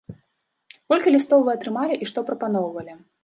Колькі лістоў вы атрымалі, і што прапаноўвалі?